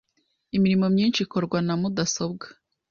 Imirimo myinshi ikorwa na mudasobwa .